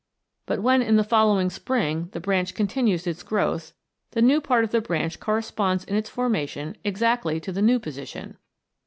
But when in the following spring the branch continues its growth, the new part of the branch corresponds in its formation exactly to the new position.